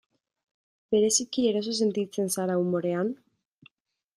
Bereziki eroso sentitzen zara umorean?